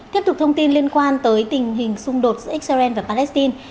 tiếp tục thông tin liên quan tới tình hình xung đột giữa israel và palestine